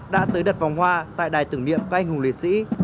đã tới đặt vòng hoa tại đài tưởng niệm các anh hùng liệt sĩ